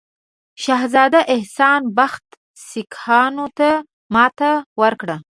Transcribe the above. شهزاده احسان بخت سیکهانو ته ماته ورکړه.